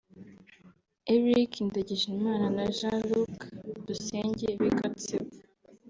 Eric Ndagijimana na Jean Luc Dusenge b’i Gatsibo